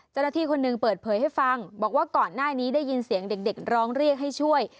เจ้าหน้าที่คนหนึ่งเปิดเผยให้ฟังบอกว่าก่อนหน้านี้ได้ยินเสียงเด็กร้องเรียกให้ช่วย